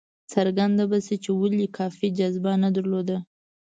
څرګنده به شي چې ولې کافي جاذبه نه درلوده.